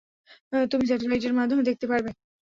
তুমি স্যাটেলাইট এর মাধ্যমে দেখতে পারবে।